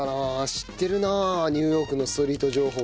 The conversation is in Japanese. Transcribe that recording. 知ってるなあニューヨークのストリート情報ね。